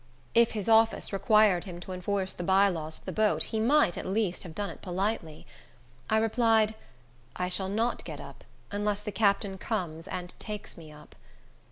If his office required him to enforce the by laws of the boat, he might, at least, have done it politely. I replied, "I shall not get up, unless the captain comes and takes me up."